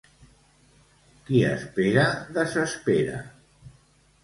Qui espera desespera